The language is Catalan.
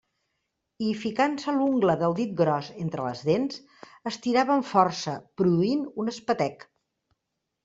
I ficant-se l'ungla del dit gros entre les dents, estirava amb força, produint un espetec.